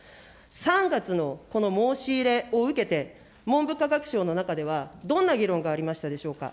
３月のこの申し入れを受けて、文部科学省の中ではどんな議論がありましたでしょうか。